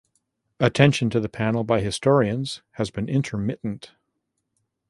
Attention to the panel by historians has been intermittent.